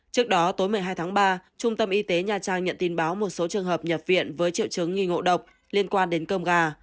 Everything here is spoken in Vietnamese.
trước đó tối một mươi hai tháng ba trung tâm y tế nha trang nhận tin báo một số trường hợp nhập viện với triệu chứng nghi ngộ độc liên quan đến cơm gà